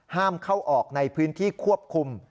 ห้ามเข้าออกในพื้นที่ควบคุม